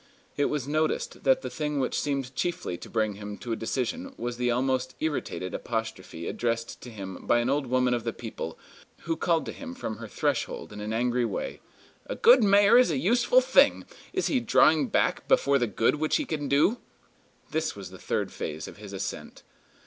It was noticed that the thing which seemed chiefly to bring him to a decision was the almost irritated apostrophe addressed to him by an old woman of the people, who called to him from her threshold, in an angry way: "A good mayor is a useful thing. Is he drawing back before the good which he can do?" This was the third phase of his ascent.